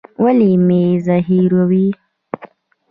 ولي مي زهيروې؟